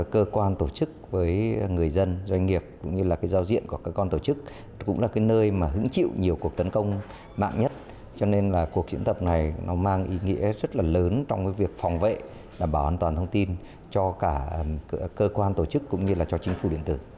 các cổng trang thông tin điện tử là nơi hứng chịu nhiều cuộc tấn công vào cổng trang thông tin điện tử